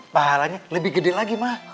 pahalanya lebih gede lagi mah